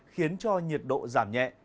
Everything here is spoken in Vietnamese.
khiến cho nhiệt độ giảm nhẹ